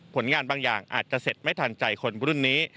ผลงานบางอย่างอาจจะเสร็จไม่ทันใจคนรุ่นนี้